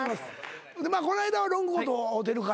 こないだロングコート会うてるから。